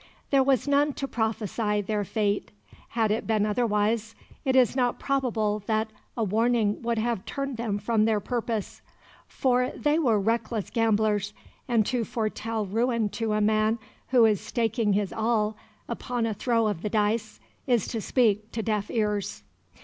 There was none to prophesy their fate. Had it been otherwise, it is not probable that a warning would have turned them from their purpose. For they were reckless gamblers, and to foretell ruin to a man who is staking his all upon a throw of the dice is to speak to deaf ears.